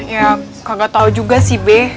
ya kagak tau juga si be